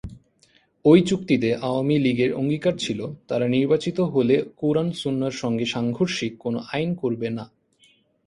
ওই চুক্তিতে আওয়ামী লীগের অঙ্গীকার ছিল, তারা নির্বাচিত হলে কুরআন-সুন্নাহর সঙ্গে সাংঘর্ষিক কোনো আইন করবে না।